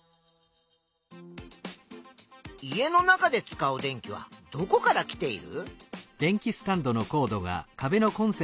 家の中で使う電気はどこからきている？